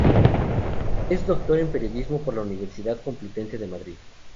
Es doctor en Periodismo por la Universidad Complutense de Madrid.